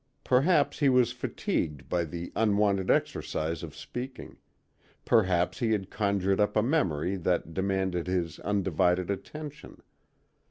Perhaps he was fatigued by the unwonted exercise of speaking; perhaps he had conjured up a memory that demanded his undivided attention.